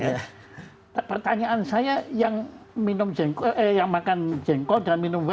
pertanyaan saya pertama saya tertarik sekali kepada istilah minum jengkol makan jengkol dan minum wine